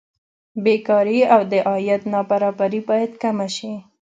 بېکاري او د عاید نابرابري باید کمه شي.